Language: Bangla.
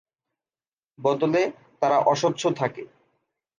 বদলে, তারা অস্বচ্ছ থাকে।